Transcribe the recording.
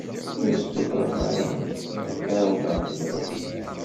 Ur stufaɣ ara ad k-ɛawneɣ tura.